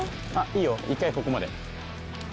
いいよ１回ここまで。